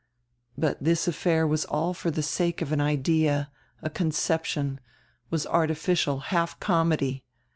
But diis affair was all for the sake of an idea, a conception, was artificial, half comedy.